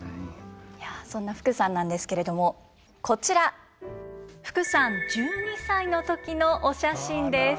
そんな福さんなんですけれどもこちら福さん１２歳の時のお写真です。